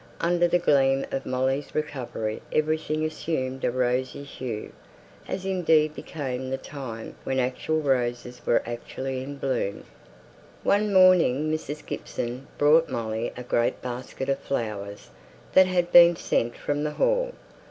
Under the gleam of Molly's recovery everything assumed a rosy hue, as indeed became the time when actual roses were fully in bloom. One morning Mrs. Gibson brought Molly a great basket of flowers, that had been sent from the Hall.